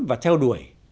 và theo đuổi